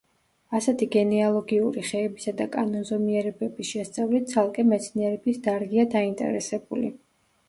ასეთი გენეალოგიური ხეებისა და კანონზომიერებების შესწავლით ცალკე მეცნიერების დარგია დაინტერესებული.